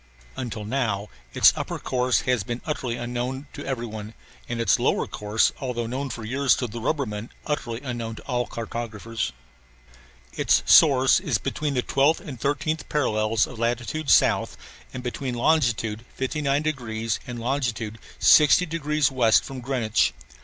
Until now its upper course has been utterly unknown to every one, and its lower course although known for years to the rubbermen utterly unknown to all cartographers. Its source is between the 12th and 13th parallels of latitude south, and between longitude 59 degrees and longitude 60 degrees west from Greenwich.